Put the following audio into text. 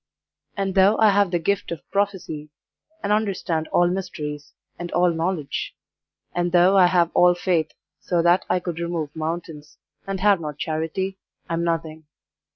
And though I have the gift of prophecy, and understand all mysteries, and all knowledge; and though I have all faith, so that I could remove mountains, and have not charity, I am nothing.